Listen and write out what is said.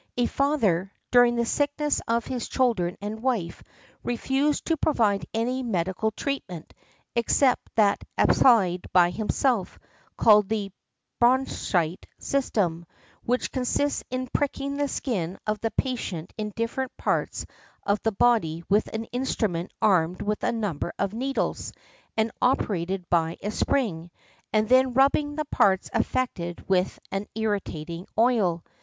A father, during the sickness of his children and wife, refused to provide any medical treatment, except that applied by himself, called the Baunscheidt system, which consists in pricking the skin of the patient in different parts of the body with an instrument armed with |48| a number of needles and operated by a spring, and then rubbing the parts affected with an irritating oil.